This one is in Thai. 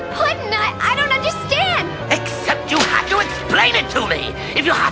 ภาษาฮาร์ลมันเกลียด